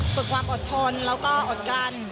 ฝึกความอดทนแล้วก็อดกลั้น